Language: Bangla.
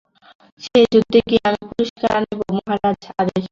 সেই যুদ্ধে গিয়া আমি পুরস্কার আনিব, মহারাজ, আদেশ করুন।